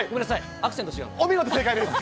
アクセお見事、正解です。